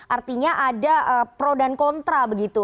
artinya ada pro dan kontra begitu